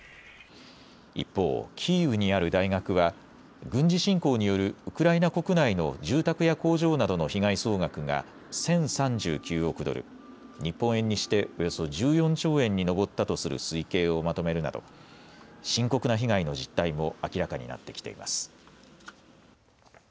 一方、キーウにある大学は軍事侵攻によるウクライナ国内の住宅や工場などの被害総額が１０３９億ドル、日本円にしておよそ１４兆円に上ったとする推計をまとめるなど深刻な被害の実態も明らかになってきています。